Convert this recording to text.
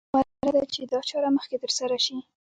غوره ده چې دا چاره مخکې تر سره شي.